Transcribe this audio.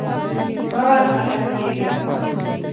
مه وارخطا کېږه!